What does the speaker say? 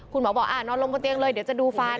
คุณหมอบอกนอนลงบนเตียงเลยเดี๋ยวจะดูฟัน